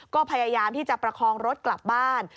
ก็พยายามที่จะประคองรถกลับบ้าน